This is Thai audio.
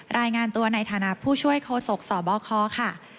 รายงานตัวในฐานะผู้ช่วยโคศกสบคค่ะ